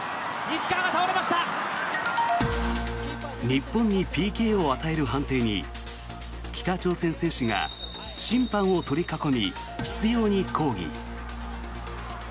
日本にＰＫを与える判定に北朝鮮選手が審判を取り囲み執ように抗議。